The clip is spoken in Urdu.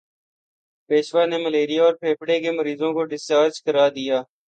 پیشوا نے ملیریا اور پھیپھڑے کے مریضوں کو ڈسچارج کرا دیا